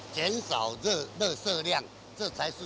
tapi untuk melindungi bumi